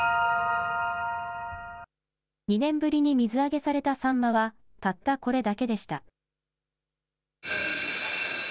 ２年ぶりに水揚げされたサンマはたったこれだけでした。